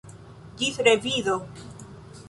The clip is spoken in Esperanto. Ĝis revido